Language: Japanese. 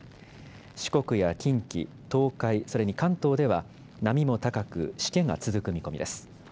四国や近畿、東海、それに関東では、波も高く、しけが続く見込みです。